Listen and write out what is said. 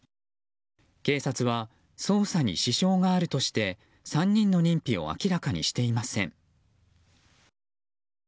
警察は捜査に支障があるとして３人の認否を明らかにしていません。